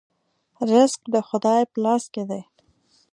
رزق د خدای په لاس کې دی